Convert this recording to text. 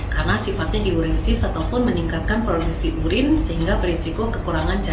karena sifatnya diuresis ataupun meningkatkan produksi urin sehingga berisiko kekurangan cairan